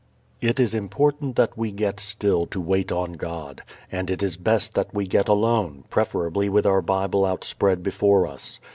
It is important that we get still to wait on God. And it is best that we get alone, preferably with our Bible outspread before us.